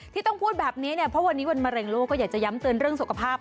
ที่ต้องพูดแบบนี้เนี่ยเพราะวันนี้วันมะเร็งลูกก็อยากจะย้ำเตือนเรื่องสุขภาพ